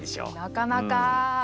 なかなか！